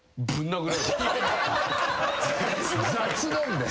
雑なんだよ